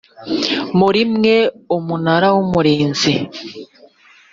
muri mwe umunara w’umurinzi